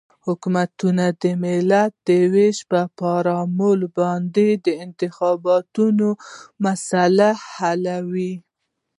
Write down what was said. حاکمیان د ملت د وېش پر فارمول باندې د انتخاباتو مسلې حلوي.